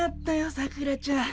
さくらちゃん。